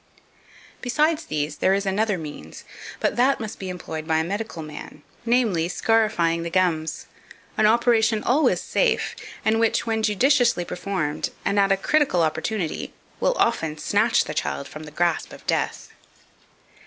2515. Besides these, there is another means, but that must be employed by a medical man; namely, scarifying the gums an operation always safe, and which, when judiciously performed, and at a critical opportunity, will often snatch the child from the grasp of death.